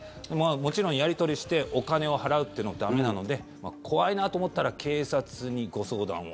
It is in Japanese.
もちろん、やり取りしてお金を払うっていうのは駄目なので怖いなと思ったら警察にご相談を。